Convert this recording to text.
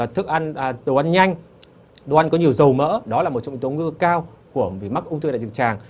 thức ăn đồ ăn nhanh đồ ăn có nhiều dầu mỡ đó là một trong những yếu tố nguy cơ cao của mắc ung thư đại trực tràng